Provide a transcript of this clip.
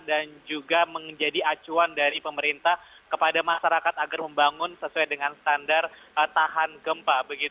dan juga menjadi acuan dari pemerintah kepada masyarakat agar membangun sesuai dengan standar tahan gempa